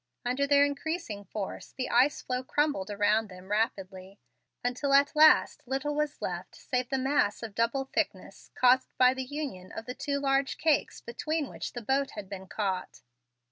Under their increasing force the ice floe crumbled around them rapidly, until at last little was left save the mass of double thickness caused by the union of the two large cakes between which the boat had been caught.